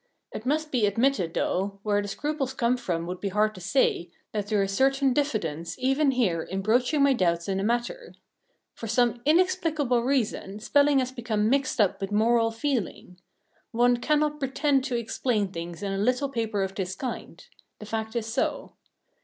It must be admitted, though where the scruples come from would be hard to say, that there is a certain diffidence even here in broaching my doubts in the matter. For some inexplicable reason spelling has become mixed up with moral feeling. One cannot pretend to explain things in a little paper of this kind; the fact is so.